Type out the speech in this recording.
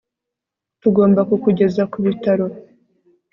tugomba kukugeza ku bitaro